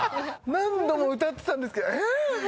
何度も歌ってたんですけどえ